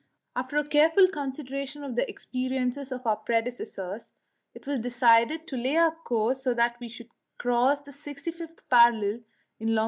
After a careful consideration of the experiences of our predecessors, it was decided to lay our course so that we should cross the 65th parallel in long.